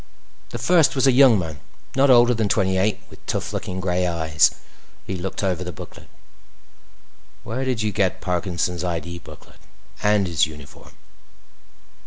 The First was a young man, not older than twenty eight with tough looking gray eyes. He looked over the booklet. "Where did you get Parkinson's ID booklet? And his uniform?"